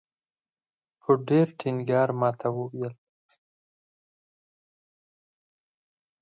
په ډېر ټینګار ماته وویل.